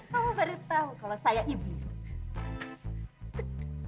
kamu baru tahu kalau saya ibu